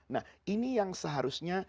nah ini yang seharusnya